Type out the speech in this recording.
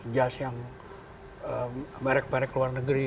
jas yang barek barek luar negeri